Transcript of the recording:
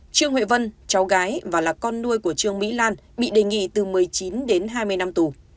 trương huệ vân cháu gái và là con nuôi của trương mỹ lan bị đề nghị từ một mươi chín đến hai mươi năm tù